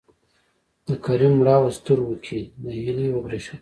د کريم مړاوو سترګو کې نهيلي وبرېښېده.